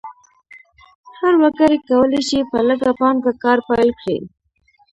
هر وګړی کولی شي په لږه پانګه کار پیل کړي.